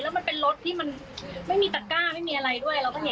และมันเป็นรถที่มันไม่มีตักก้าไม่มีอะไรด้วย